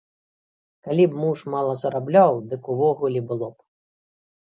Калі б муж мала зарабляў, дык увогуле было б!